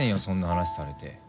そんな話されて。